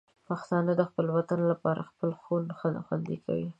پښتانه د خپل هېواد لپاره خپل خون خوندي کوي.